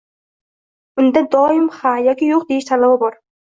unda doimo “ha” yoki “yo‘q” deyish tanlovi bor.